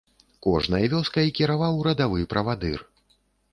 Кожнай вёскай кіраваў радавы правадыр.